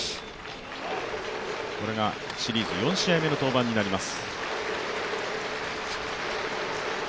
これがシリーズ４試合目の登板になります。